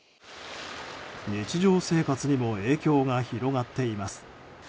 日常生活にも影響が広がっています。